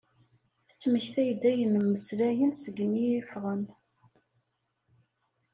Tettmekta-d ayen mmeslayen segmi i iffɣen.